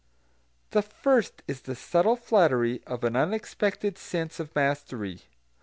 The first is the subtle flattery of an unexpected sense of mastery.